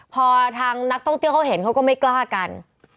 พอทางนักท่องเที่ยวเขาเห็นเขาก็ไม่กล้ากัน